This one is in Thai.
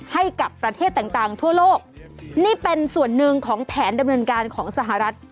ให้กับประเทศต่างต่างทั่วโลกนี่เป็นส่วนหนึ่งของแผนดำเนินการของสหรัฐ